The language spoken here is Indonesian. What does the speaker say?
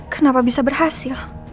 kenapa bisa berhasil